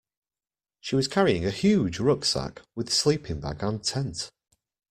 She was carrying a huge rucksack, with sleeping bag and tent